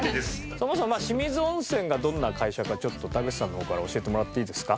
そもそも清水音泉がどんな会社かちょっと田口さんの方から教えてもらっていいですか？